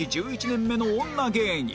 １１年目の女芸人